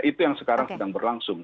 itu yang sekarang sedang berlangsung